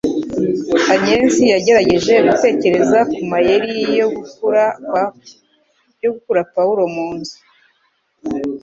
Agnes yagerageje gutekereza ku mayeri yo gukura Pawulo mu nzu